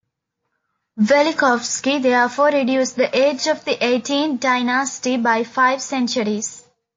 Velikovsky therefore reduced the age of the Eighteenth Dynasty by five centuries.